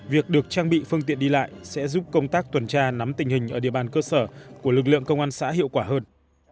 việc được trang bị phương tiện đi lại sẽ giúp công tác tuần tra nắm tình hình ở địa bàn cơ sở của lực lượng công an xã hiệu quả hơn